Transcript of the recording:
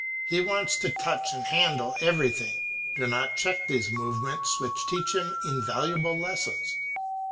He wants to touch and handle everything; do not check these movements which teach him invaluable lessons.